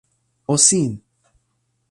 o sin!